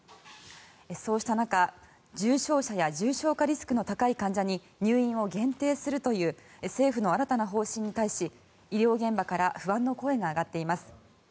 そうした中、重症者や重症化リスクの高い患者に入院を限定するという政府の新たな方針に対し医療現場から不安の声が上がっています。